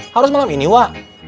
harus malam ini wa